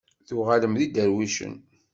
Tuɣalem d iderwicen?